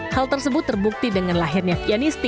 hal tersebut terbukti dengan lahirnya fianisti